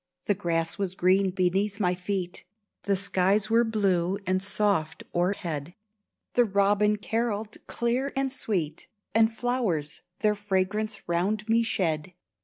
The grass was green beneath my feet ; The skies were blue and soft o'erhead ; The robin carolled clear and sweet, And flowers their fragrance round me shed.